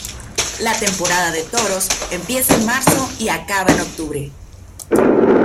La temporada de toros empieza en marzo y acaba en octubre.